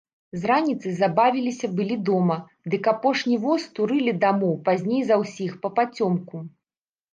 З раніцы забавіліся былі дома, дык апошні воз турылі дамоў пазней за ўсіх папацёмку.